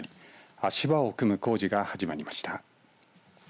足場を組む工事が始まりました。